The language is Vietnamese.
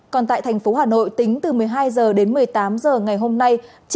còn tại tp hcm tính từ một mươi hai h đến một mươi tám h ngày hôm nay trên địa bàn thành phố không ghi nhận ca mắc mới